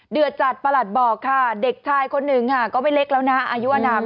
จัดประหลัดบอกค่ะเด็กชายคนหนึ่งค่ะก็ไม่เล็กแล้วนะอายุอนาม